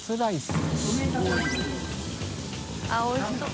あっおいしそう。